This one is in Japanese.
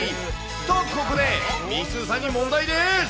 と、ここで、みーすーさんに問題です。